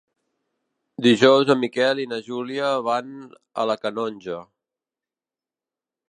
Dijous en Miquel i na Júlia van a la Canonja.